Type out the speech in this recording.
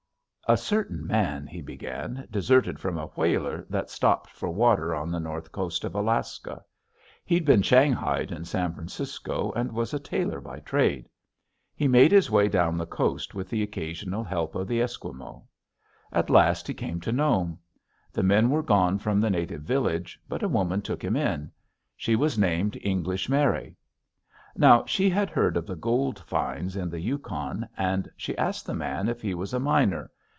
"A certain man," he began, "deserted from a whaler that stopped for water on the north coast of Alaska. He'd been shanghaied in San Francisco and was a tailor by trade. He made his way down the coast with the occasional help of the esquimaux. At last he came to Nome. The men were gone from the native village but a woman took him in. She was named English Mary. Now she had heard of the gold finds on the Yukon and she asked the man if he was a miner.